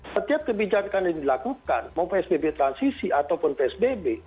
setiap kebijakan yang dilakukan mau psbb transisi ataupun psbb